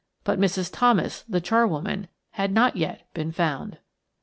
But Mrs. Thomas, the charwoman, had not yet been found.